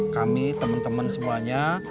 kami teman teman semuanya